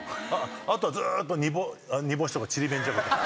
あとはずっと煮干しとかちりめんじゃことか。